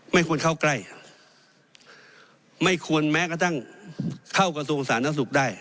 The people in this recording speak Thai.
ไม่ควรเข้าใกล้ไม่ควรแม้กระทั่งเข้ากระทรวงสาธารณสุขได้